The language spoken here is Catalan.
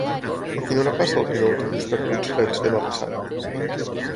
A quina hora passa el primer autobús per Puig-reig demà passat?